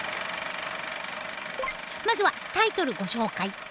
まずはタイトルご紹介。